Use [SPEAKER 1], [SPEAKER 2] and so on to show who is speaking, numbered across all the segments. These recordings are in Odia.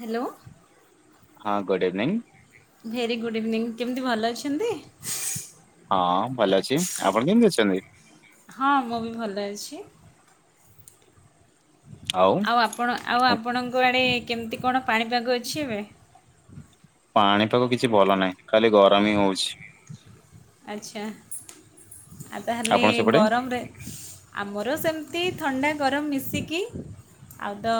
[SPEAKER 1] ହାଲୋ
[SPEAKER 2] ହଁ good evening
[SPEAKER 1] very good evening କେମିତି ଭଲ ଅଛନ୍ତି।
[SPEAKER 2] ହଁ ଭଲ ଅଛି ଆପଣ କେମିତି ଅଛନ୍ତି।
[SPEAKER 1] ହଁ ମୁଁ ବି ଭଲ ଅଛି।
[SPEAKER 2] ଆଉ
[SPEAKER 1] ଆଉ ଆପଣ ଆଉ ଆପଣଙ୍କ ଆଡ଼େ କେମିତି କଣ ପାଣିପାଗ ଅଛି ଏବେ।
[SPEAKER 2] ପାଣିପାଗ କିଛି ଭଲ ନାହିଁ ଖାଲି ଗରମ ହଉଛି।
[SPEAKER 1] ଆଚ୍ଛା ଆଉ ତାହଲେ
[SPEAKER 2] ଆପଣ ସେପଟେ?
[SPEAKER 1] ଗରମରେ-, ଆମର ସେମିତି ଥଣ୍ଡା ଗରମ ମିଶିକି ଆଉ ତ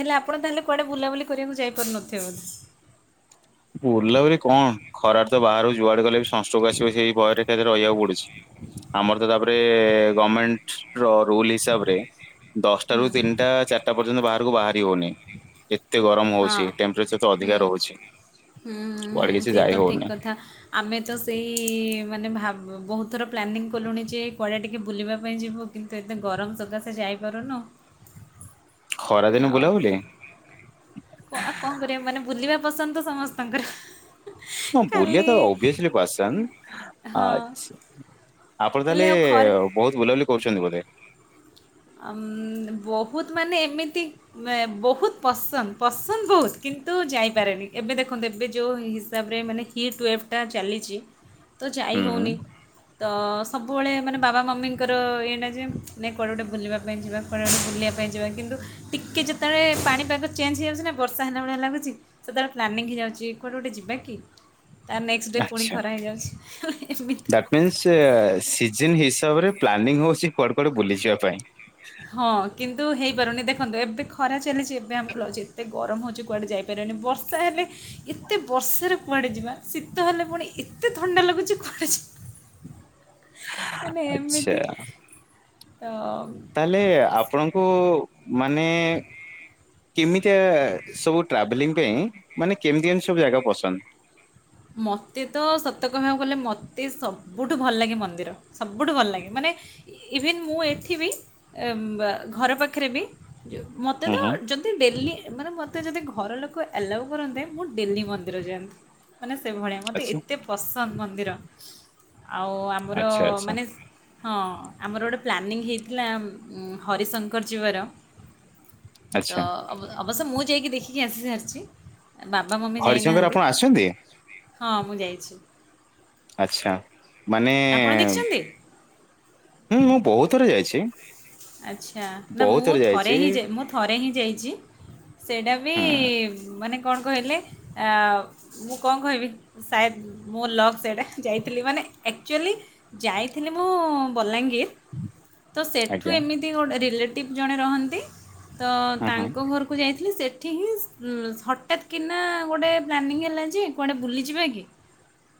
[SPEAKER 1] ହେଲେ ଆପଣ ତାହେଲେ କୁଆଡେ ବୁଲାବୁଲି କରିବାକୁ ଯାଇପାରୁନଥିବ ବୋଧେ।
[SPEAKER 2] ବୁଲାବୁଲି କଣ ଖରାରେ ତ ବାହାରୁ ଯୁଆଡେ ଗଲେ ବି ସଂଷ୍ଟ୍ରୋକ ଆସିବ ସେଇ ଭୟରେ ଘରେ ରହିବାକୁ ପଡୁଛି। ଆମର ତ ତାପରେ ଗମେଣ୍ଟ ର ରୁଲ ହିସାବରେ ଦଶଟା
[SPEAKER 1] ହୁଁ
[SPEAKER 2] ରୁ ତିନିଟା ଚାରିଟା ପର୍ଯ୍ୟନ୍ତ ବାହାରକୁ ବାହାରି ହଉନି ଏତେ ଗରମ
[SPEAKER 1] ହଁ
[SPEAKER 2] ହଉଛି ଟେମ୍ପ୍ରେଜର୍ ତ ଅଧିକା ରହୁଛି
[SPEAKER 1] ହୁଁଁ
[SPEAKER 2] କୁଆଡେ
[SPEAKER 1] ହୁଁ
[SPEAKER 2] କିଛି
[SPEAKER 1] ସେ
[SPEAKER 2] ଯାଇ
[SPEAKER 1] ତ ଠିକ୍
[SPEAKER 2] ହଉନି।
[SPEAKER 1] କଥା ଆମେ ତ ସେଇ ମାନେ ଭାବୁ ବହୁତଥର ପ୍ଲାନିଂ କଲୁଣି ଯେ କୁଆଡ଼େ ଟିକେ ବୁଲିବା ପାଇଁ ଯିବୁ। କିନ୍ତୁ ଏତେ ଗରମ ସକାସେ ଯାଇପାରୁନୁ
[SPEAKER 2] ଖରାଦିନ ବୁଲା ବୁଲି -,
[SPEAKER 1] ହଁ କଣ କରିବା ମାନେ ବୁଲିବା ପସନ୍ଦ ତ ସମସ୍ତଙ୍କର।
[SPEAKER 2] ହଁ ବୁଲିବା
[SPEAKER 1] ଖାଲି
[SPEAKER 2] ତ ଓଭିିୟସଲି ପସନ୍ଦ
[SPEAKER 1] ହଁ
[SPEAKER 2] ଆଚ୍ଛା ଆପଣ
[SPEAKER 1] ହେଲେ
[SPEAKER 2] ତାହେଲେ
[SPEAKER 1] ଆଉ ଖରା
[SPEAKER 2] ବହୁତ ବୁଲାବୁଲି କରୁଛନ୍ତି ବୋଧେ
[SPEAKER 1] ହମ ବହୁତ ମାନେ ଏମିତି ବହୁତ ପସନ୍ଦ ପସନ୍ଦ ବହୁତ କିନ୍ତୁ ଯାଇପାରେନି ଏବେ ଦେଖନ୍ତୁ ଏବେ ଯେଉଁ ହିସାବରେ ମାନେ ହିଟ୍ ୱେଭ୍ ଟା ଚାଲିଛି। ତ ଯାଇ
[SPEAKER 2] ହୁଁ ହୁଁ।
[SPEAKER 1] ହେଉନି ତ ସବୁବେଳେ ମାନେ ବାବା ମମିଙ୍କର ଇଏଟା ଯେ ନାଇଁ କୁଆଡ଼େ ଗୋଟେ ବୁଲିବା ପାଇଁ ଯିବା, କୁଆଡେ ଗୋଟେ ବୁଲିବା ପାଇଁ ଯିବା। କିନ୍ତୁ ଟିକେ ଯେତେବେଳେ ପାଣିପାଗ ଚେଞ୍ଜ ହେଇଯାଉଛି ନା ବର୍ଷା ହେଲା ଭଳିଆ ଲାଗୁଛି। ସେତେବେଳେ ପ୍ଲାନିଂ ହେଇଯାଉଛି, କୁଆଡେ ଗୋଟେ ଯିବା କି? ତାର ନେକ୍ସଟ ଡେ ପୁଣି
[SPEAKER 2] ଆଚ୍ଛା
[SPEAKER 1] ଖରା ହେଇଯାଉଛି ଏମିତି।
[SPEAKER 2] ଦ୍ୟାଟ୍ ମିନ୍ସ ସିଜନ ହିସାବରେ ପ୍ଲାନିଂ ହଉଛି କୁଆଡ଼େ କୁଆଡେ ବୁଲିଯିବା ପାଇଁ।
[SPEAKER 1] ହଁ କିନ୍ତୁ ହେଇପାରୁନି। ଦେଖନ୍ତୁ ଏବେ ଖରା ଚାଲିଛି ଏବେ ଆମକୁ ଲାଗୁଛି ଏତେ ଗରମ ହଉଛି କୁଆଡେ ଯାଇ ବର୍ଷା ହେଲେ ଏତେ ବର୍ଷାରେ କୁଆଡେ ଯିବା ଶୀତ ହେଲେ ପୁଣି ଏତେ ଥଣ୍ଡା ଲାଗୁଛି କୁଆଡେ ଜି ମାନେ
[SPEAKER 2] ଆଚ୍ଛା
[SPEAKER 1] ଏମିତି ଅ
[SPEAKER 2] ହେଲେ ଆପଣଙ୍କୁ ମାନେ କେମିତିଆ ସବୁ ଟ୍ରାଭେଲିଂ ପାଇଁ, ମାନେ କେମିତି କେମିତି ସବୁ ଜାଗା ପସନ୍ଦ?
[SPEAKER 1] ମତେ ତ ସତକହିବାକୁ ଗଲେ, ମତେ ସବୁଠୁ ଭଲ ଲାଗେ ମନ୍ଦିର। ସବୁଠୁ ଭଲ ଲାଗେ। ମାନେ ଇଭିନ୍ ମୁଁ ଏଠି ବି ଘର ପାଖରେ ବି ମତେ
[SPEAKER 2] ହୁଁ
[SPEAKER 1] ତ
[SPEAKER 2] ହୁଁ
[SPEAKER 1] ଯୋ ଡେଲି ମାନେ ମତେ ଯଦି ଘର ଲୋକ ଏଲାଉ କରନ୍ତେ ମୁଁ ଡେଲି ମନ୍ଦିର ଯାଆନ୍ତି। ମାନେ ସେଇଭଳିଆ ମତେ
[SPEAKER 2] ଆଚ୍ଛା
[SPEAKER 1] ଏତେ ପସନ୍ଦ ମନ୍ଦିର ଆଉ ଆମର
[SPEAKER 2] ଆଚ୍ଛା ଆଚ୍ଛା
[SPEAKER 1] ମାନେ ହଁ ଆମର ଗୋଟିେ ପ୍ଲାନିଂ ହେଇଥିଲା ହରିଶଙ୍କର ଯିବାର।
[SPEAKER 2] ଆଚ୍ଛା
[SPEAKER 1] ତ ଅବ ଅବଶ୍ୟ ମୁଁ ଯାଇକି ଦେଖିକି ଆସି ସାରିଛି ବାବା ମମି ଯାଇନାହାନ୍ତି।
[SPEAKER 2] ଯାଇଛନ୍ତି।
[SPEAKER 1] ହଁ ମୁଁ ଯାଇଛି।
[SPEAKER 2] ଆଚ୍ଛା, ମାନେ
[SPEAKER 1] ଆପଣ ଦେଖିଛନ୍ତି
[SPEAKER 2] ହୁଁ, ମୁଁ ବହୁତଥର ଯାଇଛି।
[SPEAKER 1] ଆଚ୍ଛା, ନା
[SPEAKER 2] ବହୁତ
[SPEAKER 1] ମୁଁ
[SPEAKER 2] ଥର
[SPEAKER 1] ଥରେ
[SPEAKER 2] ଯାଇଛି।
[SPEAKER 1] ହିଁ ଯାଇ ମୁଁ ଥରେ ହିଁ ଯାଇଛି। ସେଇଟା ବି
[SPEAKER 2] ହୁଁ
[SPEAKER 1] ମାନେ କଣ କହିଲେ, ଆ ମୁଁ କଣ କହିବି? ସାୟଦ୍ ମୋ ଲକ୍ ସେଇଟା ଯାଇଥିଲି ମାନେ ଆକଚୁଆଲି ଯାଇଥିଲି ମୁଁ ବଲାଙ୍ଗୀର। ତ ସେ ସେଠୁ
[SPEAKER 2] ଆଜ୍ଞା
[SPEAKER 1] ଏମିତି ଗୋଟେ ରିଲେଟିଭ୍ ଜଣେ ରହନ୍ତି ତ
[SPEAKER 2] ହୁଁ ହୁଁ
[SPEAKER 1] ତାଙ୍କ ଘରକୁ ଯାଇଥିଲି। ସେ ସେଠି ହିଁ ହଠାତ୍ କିନା ଗୋଟେ ପ୍ଲାନିଂ ହେଲା ଯେ କୁଆଡେ ବୁଲିଯିବା କି?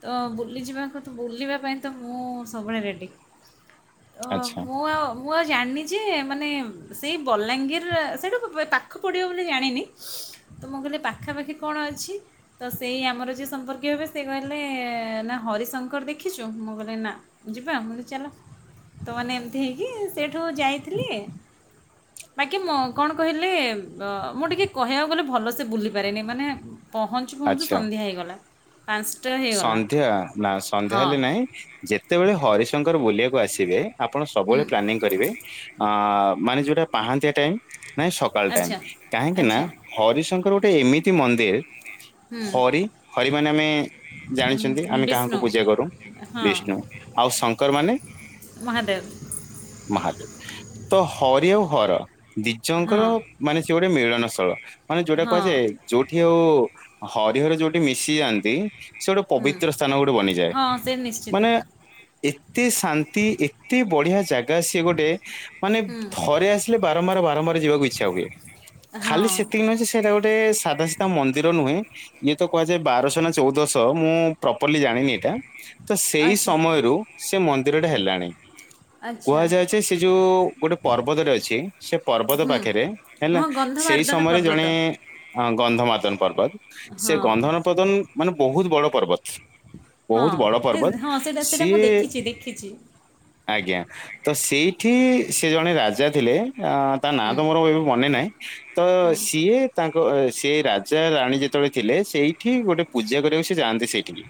[SPEAKER 1] ତ ବୁଲିଯିବାକଥା ତ ବୁଲିବା ପାଇଁ ତ ମୁଁ ସବୁବେଳେ ରେଡ଼ି। ତ
[SPEAKER 2] ଆଚ୍ଛା
[SPEAKER 1] ମୁଁ ଆଉ ମୁଁ ଆଉ ଜାଣିନି ଯେ ମାନେ ସେଇ ବଲାଙ୍ଗୀର ସେଇଠୁ ପାଖ ପ଼ିବ ବୋଲି ଜାଣିନି। ତ ମୁଁ କହିଲି ପାଖାପାଖି କଣ ଅଛି? ତ ସେଇ ଆମର ଯିଏ ସମ୍ପର୍କୀୟ ହେବେ ସେ କହିଲେ ନା ହରିଶଙ୍କର ଦେଖିଛୁ ମୁଁ କହିଲି ନା। ଯିବା ମୁଁ କହିଲି ଚାଲ ତମାନେ ଏମିତି ହେଇକି ସେଇଠୁ ଯାଇଥିଲି।
[SPEAKER 2] ହ
[SPEAKER 1] ବାକି ମୁଁ କଣ କହିଲେ ମୁଁ ଟିକେ କହିବାକୁ ଗଲେ ଭଲସେ ବୁଲି ପାରିନି ମାନେ ପହଞ୍ଚୁ ପହଞ୍ଚୁ
[SPEAKER 2] ଆଚ୍ଛା
[SPEAKER 1] ସନ୍ଧ୍ୟା ହେଇଗଲା। ପାଞ୍ଚଟା ହେଇଗଲା
[SPEAKER 2] ସନ୍ଧ୍ୟା ନା ସନ୍ଧ୍ୟା
[SPEAKER 1] ହଁ
[SPEAKER 2] ହେଲେ ନାଇଁ। ଯେତେବେଳେ ହରିଶଙ୍କର ବୁଲିବାକୁ ଆସିବେ ଆପଣ ସବୁବେଳେ
[SPEAKER 1] ହୁଁ
[SPEAKER 2] ପ୍ଲାନିଂ କରିବେ। ଅ ମାନେ ଯୋଉଟା ପାହାନ୍ତିଆ ଟାଇମ୍, ନାଇଁ ସକାଳ ଟାଇମ୍
[SPEAKER 1] ଆଚ୍ଛା
[SPEAKER 2] କାହିଁକି ନା
[SPEAKER 1] ଆଚ୍ଛା
[SPEAKER 2] ହରିଶଙ୍କର ଗୋଟେ ଏମିତି ମନ୍ଦିର୍,
[SPEAKER 1] ହୁଁ
[SPEAKER 2] ହରି- ହରି ମାନେ ଆମେ
[SPEAKER 1] ଉଁ,
[SPEAKER 2] ଜାଣିଛନ୍ତି, ଆମେ
[SPEAKER 1] ବିଷ୍ଣୁ
[SPEAKER 2] କାହାକୁ ପୂଜା କରୁ,
[SPEAKER 1] ହଁ
[SPEAKER 2] ବିଷ୍ଣୁ ଆଉ ଶଙ୍କର ମାନେ
[SPEAKER 1] ମହାଦେବ।
[SPEAKER 2] ମହାଦେବ ତ ହରି ଆଉ ହର ଦିଜଙ୍କର
[SPEAKER 1] ହଁ
[SPEAKER 2] ମାନେ ସେ ଗୋଟେ ମିଳନସ୍ଥଳ। ମାନେ ଯୋଉଟା
[SPEAKER 1] ହଁ
[SPEAKER 2] କୁହାଯାଏ, ଯୋଉଠି ଆଉ ହରିହର ଯୋଉଠି ମିଶି ଯାଆନ୍ତି। ସେ ଗୋଟେ
[SPEAKER 1] ହୁଁ
[SPEAKER 2] ପବିତ୍ର ସ୍ଥାନ ଗୋଟେ ବନିଯାଏ
[SPEAKER 1] ହଁ ସେ ନିଶ୍ଚିତ
[SPEAKER 2] ମାନେ ଏତେ ଶାନ୍ତି, ଏତେ ବଢିଆ ଜାଗା ସିଏ ଗୋଟେ ମାନେ
[SPEAKER 1] ହୁଁ
[SPEAKER 2] ଥରେ ଆସି ଖାଲି ବାରମ୍ବାର ବାରମ୍ବାର ଯିବାକୁ ଇଛା ହୁଏ, ଖାଲି
[SPEAKER 1] ହଁ
[SPEAKER 2] ସେତିକି ନୁହେଁ ଯେ, ସେଇଟା ଗୋଟେ ସାଧା ସିଧା ମନ୍ଦିର ନୁହେଁ ଯିଏ ତ କୁହାଯାଏ ବାରଶହ ନା ଚଉଦଶହ ତ ମୁଁ ପ୍ରପରଲି ଜାଣିନି ଏଇଟା ତ ସେଇ
[SPEAKER 1] ଆଚ୍ଛା
[SPEAKER 2] ସମୟରୁ ସେ ମନ୍ଦିରଟା ହେଲାଣି।
[SPEAKER 1] ଆଚ୍ଛା
[SPEAKER 2] କୁହାଯାଏ ଯେ ସେ ଯୋଉ ଗୋଟେ ପର୍ବତରେ ଅଛି ସେ ପର୍ବତ
[SPEAKER 1] ହୁଁ
[SPEAKER 2] ପାଖରେ ହେଲା
[SPEAKER 1] ହଁ
[SPEAKER 2] ସେଇ
[SPEAKER 1] ଗନ୍ଧମାର୍ଦ୍ଦନ
[SPEAKER 2] ସମୟରେ
[SPEAKER 1] ପର୍ବତ
[SPEAKER 2] ଜଣେ ଅ ଗନ୍ଧମର୍ଦ୍ଧନ ପର୍ବତ ସେ
[SPEAKER 1] ହଁ
[SPEAKER 2] ଗନ୍ଧ ଉତ୍ପାଦନ ମାନେ ବହୁତ ବଡ ପର୍ବତ।
[SPEAKER 1] ହଁ
[SPEAKER 2] ବହୁତ ବଡ
[SPEAKER 1] ନାଇଁ
[SPEAKER 2] ପର୍ବତ
[SPEAKER 1] ହଁ ସେଇଟା ସେଇଟା ମୁଁ
[SPEAKER 2] ସିଏ
[SPEAKER 1] ଦେଖିଛି ଦେଖିଛି
[SPEAKER 2] ଆଜ୍ଞା ତ ସେଇଠି ସେ ଜଣେ ରାଜା ଥିଲେ ଆ ତା ନାଁ
[SPEAKER 1] ହୁଁ
[SPEAKER 2] ତ ମୋର ଏବେ ମନେ ନାହିଁ ତ
[SPEAKER 1] ହୁଁ
[SPEAKER 2] ସିଏ ତାଙ୍କ ସେ ରାଜା ରାଣୀ ଯେତେବେଳେ ଥିଲେ ସେଇଠି ଗୋଟେ ପୂଜା କରିବାକୁ ସେ ଯାଆନ୍ତି ସେଇଠିକି।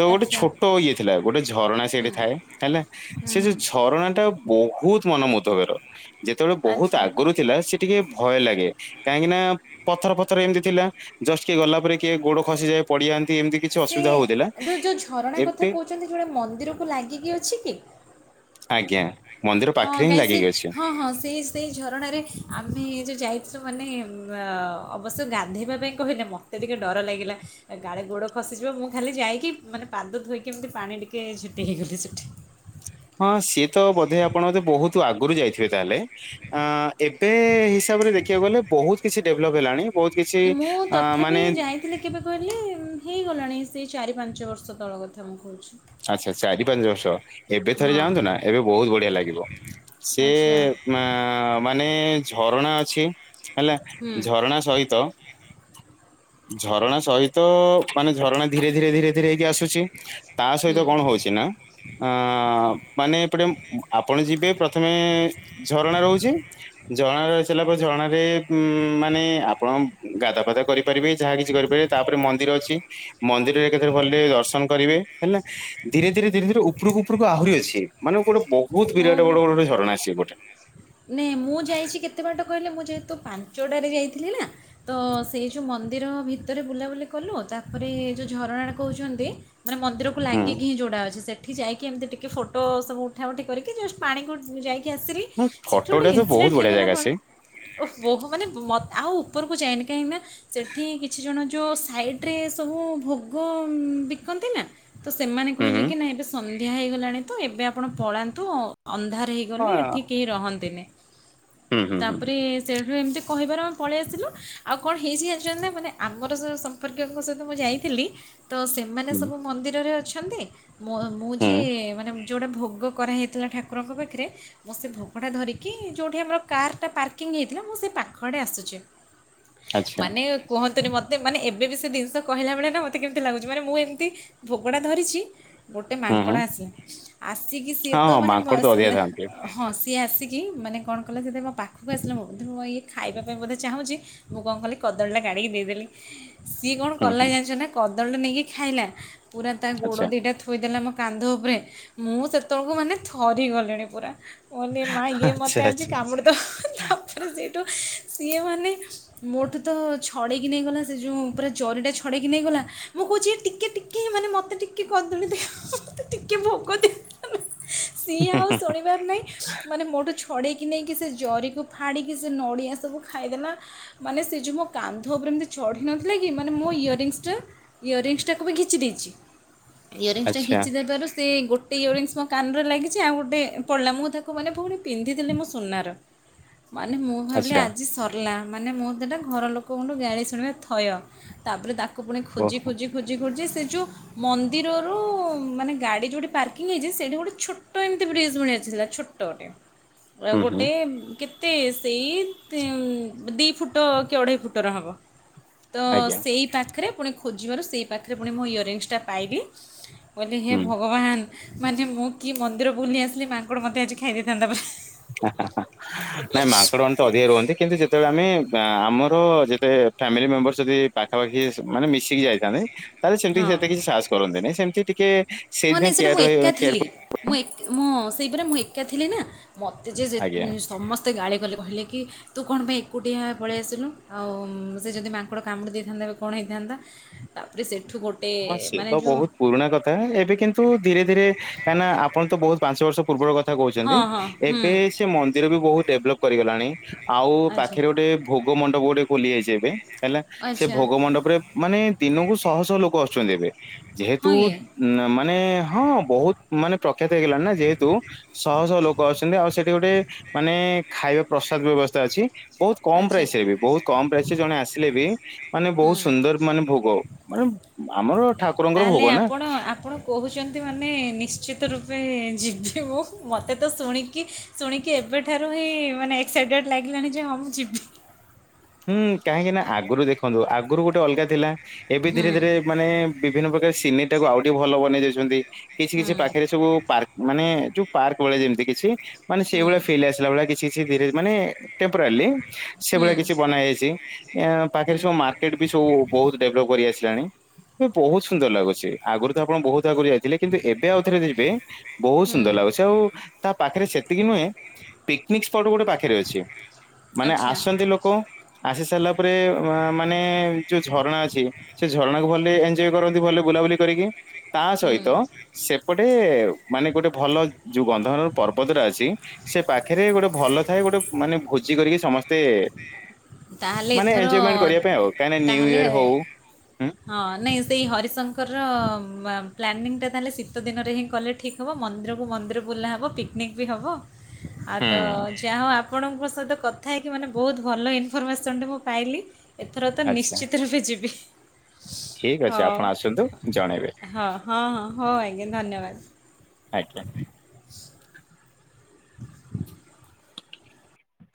[SPEAKER 2] ତ ଗୋଟେ
[SPEAKER 1] ଆଚ୍ଛା
[SPEAKER 2] ଛୋଟ ଇଏ ଥିଲା ଗୋଟେ ଝରଣା ସେଇଠି ଥାଏ ହେଲା
[SPEAKER 1] ହୁଁ
[SPEAKER 2] ସେ
[SPEAKER 1] ହୁଁ
[SPEAKER 2] ଯୋଉ ଝରଣାଟା ବହୁତ ମନମୁଧବର ଯେତେବେଳେ ବହୁତ
[SPEAKER 1] ଆଚ୍ଛା
[SPEAKER 2] ଆଗରୁ ଥିଲା ସେ ଟିକେ ଭୟ ଲାଗେ। କାହିଁକିନା ପଥର ଫଥର ଏମିତି ଥିଲା ଜଷ୍ଟ କିଏ ଗଲା ପରେ କିଏ ଗୋଡ ଖସିଯାଏ। ପଡିଯାଆନ୍ତି ଏମତି
[SPEAKER 1] ସେ ଯୋଉ ଯୋଉ ଝରଣା କଥା କହୁଛନ୍ତି ସେ ଗଟେ ମନ୍ଦିରକୁ ଲାଗିକି ଅଛି କି?
[SPEAKER 2] ଆଜ୍ଞା। ମନ୍ଦିର
[SPEAKER 1] ହଁ
[SPEAKER 2] ପାଖରେ ହିଁ
[SPEAKER 1] କାହିଁ ସେ
[SPEAKER 2] ଲାଗିକି ଅଛି।
[SPEAKER 1] ହଁ ହଁ ସେଇ ସେଇ ଝରଣାରେ ଆମେ ଯେଉଁ ଯାଇଥିଲୁ ମାନେ ଅବଶ୍ୟ ଗାଧୋଇବା ପାଇଁ କହିଲେ ମ ତେ ଟିକେ ଡର ଲାଗିଲା। ଗାଳେ ଗୋଡ ଖସିଯିବ ମୁଁ ଖାଲି ଯାଇକି ମାନେ ପାଦ ଧୋଇକି ଏମିତି ପାଣି ଟିକେ ଚିଞ୍ଚି ହେଇଗଲି ସେଠି।
[SPEAKER 2] ହଁ ସିଏ ତ ବୋଧେ ଆପଣ ବୋଧେ ବହୁତ ଆଗରୁ ଯାଇଥିବେ ତାହେଲେ। ଅଁ ଏବେ ହିସାବରେ ଦେଖିବାକୁ ଗଲେ ବହୁତ କିଛି ଡେଭଲପ ହେଲାଣି। ବହୁତ କିଛି ଅଁ ମାନେ
[SPEAKER 1] ଥିଲେ କେବେ କହିଲେ ହେଇଗଲାଣି ସେ ଚାରି ପାଞ୍ଚ ବର୍ଷ ତଳ କଥା ମୁଁ କହୁଛି।
[SPEAKER 2] ଆଚ୍ଛା ଚାରି ପାଞ୍ଚ ବର୍ଷ। ଏବେ ଥରେ
[SPEAKER 1] ହଁ
[SPEAKER 2] ଯାଆନ୍ତୁ ନା ଏବେ ବହୁତ ବଢିଆ ଲାଗିବ ସେ
[SPEAKER 1] ଆଚ୍ଛା
[SPEAKER 2] ମା ମାନେ ଝରଣା ଅଛି ହେଲା
[SPEAKER 1] ହୁଁ
[SPEAKER 2] ଝରଣା ସହିତ ଝରଣା ସହିତ ମାନେ ଝରଣା ଧୀରେ ଧୀରେ ଧୀରେ ଧୀରେ ହେଇକି ଆସୁଛି। ତା
[SPEAKER 1] ହୁଁ
[SPEAKER 2] ସହିତ କଣ ହଉଛି ନାଁ। ଅଁଣ ମାନେ ଏପଟେ ଆପଣ ଯିବେ ପ୍ରଥମେ ଝରଣା ରହୁଛି। ଝଣ ରହି ସାରିଲା ପରେ ଝରଣାରେ ମାନେ ଆପଣ ଗାଧା ଫାଦା କରି ପାରିବେ ଯାହା କିଛି କରିପାରିବେ ତାପରେ ମନ୍ଦିର ଅଛି ମନ୍ଦିରରେ କେତେରେ ଭଲ ରେ ଦର୍ଶନ କରିବେ। ହେଲା ଧୀରେ ଧୀରେ ଧୀରେ ଧୀରେ ଉପରକୁ ଉପରକୁ ଆହୁରି ଅଛି। ମାନେ ଗୋଟେ ବହୁତ ବିରାଟ ବଡ଼ ବଡ଼ ଝରଣା ଆସିବ ଗୋଟେ।
[SPEAKER 1] ନାଇଁ ମୁଁ ଯାଇଛି କେତେ ବାଟ କହିଲେ ମୁଁ ଯେହେତୁ ପାଞ୍ଚଟାରେ ଯାଇଥିଲି ନାଁ। ତ ସେଇ ଯୋଉ ମନ୍ଦିର ଭିତରେ ବୁଲାବୁଲି କଲୁ ତାପରେ ଯୋଉ ଝରଣା ଟା କହୁଛନ୍ତି, ମାନେ ମନ୍ଦିରକୁ
[SPEAKER 2] ହୁଁ
[SPEAKER 1] ଲାଗିକି ହିଁ ଯୋଉଟା ଅଛି ସେ ଏଠି ଯାଇକି ଏମିତି ଟିକେ ଫଟୋ ସବୁ ଉଠା ଉଠି କରିକି ଜଷ୍ଟ୍ ପାଣିକୁ ଯାଇକି ଆସିଲି।
[SPEAKER 2] ହୁଁ
[SPEAKER 1] ସେଠି ଗୋଟେ
[SPEAKER 2] ଫଟୋଟା ତ ବହୁତ
[SPEAKER 1] ଇନସିଡେଣ୍ଟ୍
[SPEAKER 2] ବଢିଆ
[SPEAKER 1] ହେଇଗଲା
[SPEAKER 2] ଜାଗା
[SPEAKER 1] କଣ?
[SPEAKER 2] ସେ
[SPEAKER 1] ଓହୋ ମାନେ ଆଉ ଉପରକୁ ଯାଏନି କାହିଁକି ନା ସେଠି କିଛି ଜଣ ଯୋଉ ସାଇଟ୍ ରେ ସବୁ ଭୋଗ ବିକନ୍ତି ନା? ତ ସେମାନେ
[SPEAKER 2] ହୁଁ
[SPEAKER 1] କହିଲେ
[SPEAKER 2] ହୁଁ।
[SPEAKER 1] କି ନାଇଁ ଏବେ ସନ୍ଧ୍ୟା ହେଇଗଲାଣି ତ ଏବେ ଆପଣ ପଳାନ୍ତୁ ଅନ୍ଧାର ହେଇ
[SPEAKER 2] ହଁ।
[SPEAKER 1] ଗଲେ ଏଠି କେହି ରହନ୍ତିନି
[SPEAKER 2] ହୁଁ ହୁଁ ହୁଁ
[SPEAKER 1] ତାପରେ ସେଠୁ ଏମିତି କହିବାରୁ ଆମେ ପଳେଇ ଆସିଲୁ ଆଉ କଣ ହେଇଛି ଯାଣିଛନ୍ତି ନା ମାନେ ଆମର ଯୋଉ ସମ୍ପର୍କୀୟଙ୍କ ସହିତ ମୁଁ ଯାଇଥିଲି ତ ସେମାନେ
[SPEAKER 2] ହୁଁ
[SPEAKER 1] ସବୁ ମନ୍ଦିରରେ ଅଛନ୍ତି ମ ମୁଁ
[SPEAKER 2] ହୁଁ।
[SPEAKER 1] ଯେ ମାନେ ଯୋଉଟା ଭୋଗ କରାହେଇଥିଲା ଠାକୁରଙ୍କ ପାଖରେ ମୁଁ ସେ ଭୋଗଟା ଧରିକି କି ଯେଉଁଠି ଆମର କାର୍ ଟା ପାର୍କିଂ ହେଇଥିଲା ମୁଁ ସେ ପାଖ ଆଡ଼େ ଆସୁଛି
[SPEAKER 2] ଆଚ୍ଛା
[SPEAKER 1] ମାନେ କୁହନ୍ତୁନି ମୋତେ ମାନେ ଏବେ ବି ସେ ଜିନିଷ କହିଲା ବେଳେ ନା ମତେ କେମିତି ଲାଗୁଛି ମାନେ ମୁଁ ଏମିତି ଭୋଗଟା ଧରିଛି ଗୋଟେ
[SPEAKER 2] ହୁଁ ହୁଁ
[SPEAKER 1] ମାଙ୍କଡ଼ ଆସି ଆସିକି ସିଏ
[SPEAKER 2] ହଁ
[SPEAKER 1] ତ
[SPEAKER 2] ହଁ
[SPEAKER 1] ମାନେ
[SPEAKER 2] ମାଙ୍କଡ ତ ଅଧିକା ଥାଆନ୍ତି
[SPEAKER 1] ହଁ ସିଏ ଆସିକି କି ମାନେ କଣ କଲା ସେ ଯେତେବେଳେ ମୋ ପାଖକୁ ଆସିଲା ମୁଁ ମୁଁ ଇଏ ଖାଇବା ପାଇଁ ବୋଧେ ଚାହୁଁଛି। ମୁଁ କଣ କଲି କଦଳୀ ଟା କାଢିକି ଦେଇଦେଲି। ସିଏ କଣ
[SPEAKER 2] ହୁଁ
[SPEAKER 1] କଲା
[SPEAKER 2] ହୁଁ
[SPEAKER 1] ଜାଣିଛ ନା କଦଳୀଟା ନେଇକି ଖାଇଲା ପୁରା ତା ଗୋଡ
[SPEAKER 2] ଆଚ୍ଛା।
[SPEAKER 1] ଦିଟା ଥୋଇଦେଲା ମୋ କାନ୍ଧ ଉପରେ ମୁଁ ସେତେବେଳକୁ ମାନେ ଥରିଗଲିଣି ପୁରା। ମା ଇଏ
[SPEAKER 2] ଆଚ୍ଛା
[SPEAKER 1] ମତେ ଆଜି
[SPEAKER 2] ଆଚ୍ଛା।
[SPEAKER 1] କାମୁଡ଼ି ଦବ ତାପରେ ସେଇଠୁ ସିଏ ମାନେ ମୋ ଠୁ ତ ଛଡେଇକି ନେଇଗଲା ସେ ଯୋଉ ପୁରା ଜରିଟା ଛଡେଇକି ନେଇଗଲା ମୁଁ କହୁଛି ହେ ଟିକେ ଟି ଟିକେ ମାନେ ମତେ ଟିକେ କଦଳୀ ଦିଅ ମତେ ଟିକେ ଭୋଗ ଦେ ସିଏ ଆଉ ଶୁଣିବାର ନାହିଁ। ମାନେ ମୋଠୁ ଛଡ଼େଇକି ନେଇକି ସେ ଜରିକୁ ଫାଡ଼ିକି ସେ ନଡ଼ିଆ ସବୁ ଖାଇଦେଲା। ମାନେ ସେ ଯୋଉ ମୋ କାନ୍ଧ ଉପରେ ଏମିତି ଚଢ଼ି ନଥିଲା କି ମାନେ ମୋ ଇୟରରିଙ୍ଗସ୍ ଟା ଇୟରରିଙ୍ଗସ୍ ଟାକୁ ବି ଖିଚି ଦେଇଛି। ଇୟରିଙ୍ଗସ୍ ଟାକୁ
[SPEAKER 2] ଆଚ୍ଛା
[SPEAKER 1] ଖିଚି ଦେବାରୁ ସେ ଗୋଟେ ଇୟରିଙ୍ଗସ୍ ମୋ କାନ ରେ ଲାଗିଛି ଆଉ ଗୋଟେ ପଡ଼ିଲା ମୁଁ ତାକୁ ମୁଁ ମାନେ ଭଉଣୀ ପିନ୍ଧିଥିଲି ମୁଁ ସୁନାର ମାନେ ମୁଁ ଭାବିଲି
[SPEAKER 2] ଆଚ୍ଛା
[SPEAKER 1] ଆଜି ସରିଲା ମାନେ ମୁଁ ସେଇଟା ଘର ଲୋକଙ୍କଠୁ ଗାଳି ଶୁଣିବା ଥୟ। ତାପରେ ତାକୁ ପୁଣି
[SPEAKER 2] ଓହୋ
[SPEAKER 1] ଖୋଜି ଖୋଜି ଖୋଜି ଖୋଜି ସେ ଯେଉଁ ମନ୍ଦିରରୁ ମାନେ ଗାଡି ଯୋଉଠି ପାର୍କିଂ ହେଇଛି ସେଇଠି ଗୋଟେ ଛୋଟ ଏମିତି ବ୍ରିଜ୍ ଭଳିଆ ଥିଲା ଛୋଟ
[SPEAKER 2] ହୁଁ ହୁଁ
[SPEAKER 1] ଗୋଟେ କେତେ ସେଇ ଦି ଫୁଟ କି ଅଢେଇ ଫୁଟର ହବ ତ
[SPEAKER 2] ଆଜ୍ଞା।
[SPEAKER 1] ସେଇ ପାଖରେ ପୁଣି ଖୋଜିବାରୁ ସେଇ ପାଖରେ ପୁଣି ମୋ ଇୟରିଙ୍ଗସ୍ ଟା ପାଇଲି, କହିଲି ହେ
[SPEAKER 2] ହୁଁ
[SPEAKER 1] ଭଗବାନ ମାନେ ମୁଁ କି ମନ୍ଦିର ବୁଲି ଆସିଲି ମାଙ୍କଡ ମତେ ଆଜି ଖାଇ ଦେଇଥାନ୍ତା ବା
[SPEAKER 2] ହାଃ ନାଇଁ ମାଙ୍କଡ଼ ମାନେ ତ ଅଧିକ ରୁହନ୍ତି କିନ୍ତୁ ଯେ ଯେତେବେଳେ ଆମେ ଆମର ଯେତେ ଫ୍ୟାମିଲି ମେମ୍ବରସ୍ ଯଦି ପାଖାପାଖି ମାନେ ଯଦି ମିଶିକି ଯାଇଥାନ୍ତେ ତାହେଲେ ସେମିତି
[SPEAKER 1] ହଁ
[SPEAKER 2] ସେତେ କିଛି ସାହସ କରନ୍ତିନି ସେମିତି ଟିକେ
[SPEAKER 1] ହଁ
[SPEAKER 2] ସେଇଥିପାଇ
[SPEAKER 1] ନାଇଁ ସେଇଟା ମୁଁ ଏକା
[SPEAKER 2] କେୟାର
[SPEAKER 1] ଥିଲି। ମୁଁ ଏକ ମୁଁ ସେଇ ପୁରା ମୁଁ ଏକା ଥିଲି ନା ମୋତେ ଯେ
[SPEAKER 2] ଆଜ୍ଞା।
[SPEAKER 1] ଯେତି ସମ ମୋତେ ଗାଳି କଲେ କହିଲେ କି ତୁ କଣ ପାଇଁ ଏକୁଟିଆ ପଳେଇ ଆସିଲୁ ଆଉ ସେ ଯଦି ମାଙ୍କଡ଼ କାମୁଡ଼ି ଦେଇଥାନ୍ତା ଏବେ କଣ ହେଇଥାନ୍ତା। ତାପରେ ସେଇଠୁ ଗୋଟେ
[SPEAKER 2] ହଁ ସେ
[SPEAKER 1] ମାନେ
[SPEAKER 2] ତ
[SPEAKER 1] ଯୋଉ
[SPEAKER 2] ବହୁତ ପୁରୁଣା କଥା ଏବେ କିନ୍ତୁ ଧୀରେ ଧୀରେ କାହିଁକି ନା ଆପଣ ତ ବହୁତ ପାଞ୍ଚ ବର୍ଷ ପୂର୍ବର କଥା କହୁଛନ୍ତି
[SPEAKER 1] ହଁ ହଁ ହୁଁ
[SPEAKER 2] ଏବେ ସେ ମନ୍ଦିର ବି ବହୁତ ଡେଭଲପ୍ କରିଗଲାଣି। ଆଉ
[SPEAKER 1] ଆଚ୍ଛା
[SPEAKER 2] ପାଖରେ ଗୋଟେ ଭୋଗ ମଣ୍ଡପ ଗୋଟେ ଖୋଲିଯାଇଛି ଏବେ ହେଲା ସେ
[SPEAKER 1] ଆଚ୍ଛା
[SPEAKER 2] ଭୋଗ ମଣ୍ଡପରେ ମାନେ ଦିନକୁ ଶହ ଶହ ଲୋକ ଆସୁଛନ୍ତି ଏବେ ଯେହେତୁ
[SPEAKER 1] ହଁ ଇଏ
[SPEAKER 2] ମାନେ ହଁ ବହୁତ ମାନେ ପ୍ରଖ୍ୟାତ ହେଇଗଲାଣି ନା ଯେହେତୁ ଶହ ଶହ ଲୋକ ଅଛନ୍ତି। ଆଉ ସେଠି ଗୋଟେ ମାନେ ଖାଇବା ପ୍ରସାଦ ବ୍ୟବସ୍ଥା ଅଛି। ବହୁତ କମ୍
[SPEAKER 1] ଆଚ୍ଛା
[SPEAKER 2] ପ୍ରାଇସ ରେ ବି ବହୁତ କମ୍ ପ୍ରାଇସ ରେ ଜଣେ ଆସିଲେ ବି ମାନେ ବହୁତ
[SPEAKER 1] ହୁଁ।
[SPEAKER 2] ସୁନ୍ଦର ମାନେ ଭୋଗ, ମାନେ ଆମର ଠାକୁରଙ୍କର
[SPEAKER 1] ତାହେଲେ
[SPEAKER 2] ଭୋଗ ନା।
[SPEAKER 1] ଆପଣ ଆପଣ କହୁଛନ୍ତି ମାନେ ନିଶ୍ଚିତ ରୂପେ ଯିବି ମୁଁ ମୋତେ ତ ଶୁଣିକି ଶୁଣି କି ଏବେଠାରୁ ହିଁ ମାନେ ଏକ୍ସାଇଟେଡ ଲାଗିଲାଣି ଯେ ହଁ ମୁଁ ଯିବି।
[SPEAKER 2] ହୁଁ କାହିଁକି ନା ଆଗରୁ ଦେଖନ୍ତୁ ଆଗରୁ ଗୋଟେ ଅଲଗା ଥିଲା। ଏବେ ଧୀରେ
[SPEAKER 1] ହୁଁ
[SPEAKER 2] ଧୀରେ ମାନେ ବିଭିନ୍ନ ପ୍ରକାର ସିନେରୀ ଟାକୁ ଆଉ ଟିକେ ଭଲ ବନେଇ ଦଉଛନ୍ତି। କିଛି
[SPEAKER 1] ହୁଁ
[SPEAKER 2] କିଛି ପାଖରେ ସବୁ ପାର୍କ ମାନେ ଯୋଉ ପାର୍କ ଭଳିଆ ଯେମିତି କିଛି ମାନେ ସେଇ
[SPEAKER 1] ହୁଁ
[SPEAKER 2] ଭଳିଆ ଫିଲ୍ ଆସିଲା ଭଳିଆ କିଛି କିଛି ଧୀରେ ମାନେ ଟେପରରାଲି ସେ ଭଳିଆ
[SPEAKER 1] ହୁଁ
[SPEAKER 2] କିଛି ବନାଯାଇଛି। ପାଖରେ
[SPEAKER 1] ହୁଁ
[SPEAKER 2] ସବୁ ମାର୍କ କେଟ୍ ବି ସବୁ ବହୁତ ଡେଭଲପ କରି ଆସିଲାଣି। ଏବେ ବହୁତ ସୁନ୍ଦର ଲାଗୁଛି। ଆଗରୁ ତ ଆପଣ ବହୁତ ଆଗରୁ ଥିଲେ କିନ୍ତୁ ଏବେ ଆଉଥରେ ଯିବେ। ବହୁତ
[SPEAKER 1] ହୁଁ
[SPEAKER 2] ସୁନ୍ଦର ଲାଗୁଛି ସେ ଆଉ ତା ପାଖରେ ସେତିକି ନୁହେଁ। ପିକନିକ ସ୍ପଟ ଗୋଟେ ପାଖରେ ଅଛି। ମାନେ
[SPEAKER 1] ଆଚ୍ଛା
[SPEAKER 2] ଆସନ୍ତି ଲୋକ ଆସି ସାରିଲା ପରେ ମାନେ ଯୋଉ ଝରଣା ଅଛି ସେ ଝରଣା କୁ ଗଲେ ଏଞ୍ଜୋଇ କରନ୍ତି ଭଲରେ ବୁଲାବୁଲି କରିକି। ତା ସହିତ
[SPEAKER 1] ହୁଁ
[SPEAKER 2] ସେ ଗୋଟେ ମାନେ ଗୋଟେ ଭଲ ଯୋଉ ଗନ୍ଧର ପର୍ବତଟା ଅଛି। ସେ ପାଖରେ ଗୋଟେ ଭଲ ଥାଏ ଗୋଟେ ମାନେ ଭୋଜି କରିକି ସମସ୍ତେ
[SPEAKER 1] ତାହେଲେ
[SPEAKER 2] ମାନେ
[SPEAKER 1] ଏଥର
[SPEAKER 2] ଏଞ୍ଜିଏମେଣ୍ଟ କରିବା ପାଇଁ ଆଉ। କାହିଁକ ନିଉ
[SPEAKER 1] ତାହେଲେ
[SPEAKER 2] ଇୟର ହଉ।
[SPEAKER 1] ହଁ ନାଇଁ ସେଇ ହରିଶଙ୍କର ପ୍ଲାନିଂ ଟା ତାହେଲେ ଶୀତ ଦିନରେ ହିଁ କଲେ ଠିକ୍ ହବ ମନ୍ଦିରକୁ ମନ୍ଦିର ବୁଲା ହବ। ପିକିନିକ୍ ବି ହବ। ଆଉ ତ
[SPEAKER 2] ହୁଁ
[SPEAKER 1] ଯାହା ହଉ ଆପଣଙ୍କ ସହିତ କଥା ହେଇକି ମାନେ ବୋହୁତ ଭଲ ଇନଫର୍ମେସନ୍ଟେ ମୁଁ ପାଇଲି। ଏଥର ତ
[SPEAKER 2] ଆଚ୍ଛା
[SPEAKER 1] ନିଶ୍ଚିତ ରୂପେ ଯିବି।
[SPEAKER 2] ଠିକ ଅଛି
[SPEAKER 1] ହଉ,
[SPEAKER 2] ଆପଣ ଆସନ୍ତୁ ଜଣେଇବେ
[SPEAKER 1] ହଁ, ହଁ, ହଉ ଆଜ୍ଞା ଧନ୍ୟବାଦ।
[SPEAKER 2] ଆଜ୍ଞା।